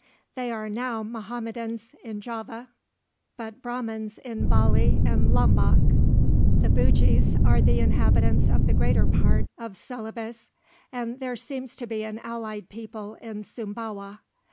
They are now Mahometans in Java, but Brahmins in Bali and Lombock. The Bugis are the inhabitants of the greater parts of Celebes, and there seems to be an allied people in Sumbawa.